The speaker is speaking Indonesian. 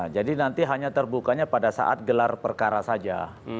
jadi nanti hanya terbukanya pada saat gelar perkara saja